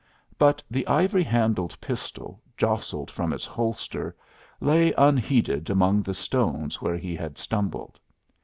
But the ivory handled pistol, jostled from its holster, lay unheeded among the stones where he had stumbled.